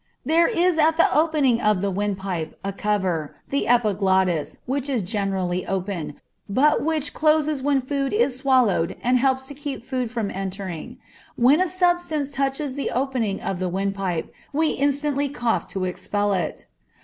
There is at the opening of the windpipe a cover, the epiglottis, which is generally open, but which closes when food is swallowed and helps to keep food from entering. When a substance touches the opening of the windpipe, we instantly cough to expel it.